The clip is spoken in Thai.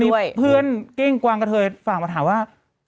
แล้วอันนี้เพื่อนเก้งกวางเกษตร์เยทธิฟังมาถามว่า